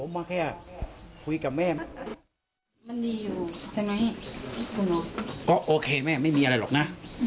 มันดีอยู่ก็โอเคแม่ไม่มีอะไรหรอกนะ